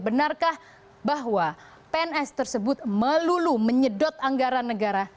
benarkah bahwa pns tersebut melulu menyedot anggaran negara